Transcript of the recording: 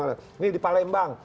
ini di palembang